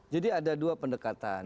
jadi ada dua pendekatan